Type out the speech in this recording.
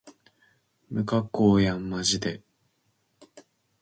無加工やんまじで